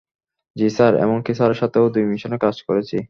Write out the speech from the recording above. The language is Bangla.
জ্বি স্যার, এমনকি স্যারের সাথেও দুই মিশনে কাজ করেছি।